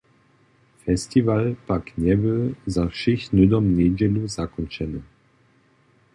Festiwal pak njebě za wšěch hnydom njedźelu zakónčeny.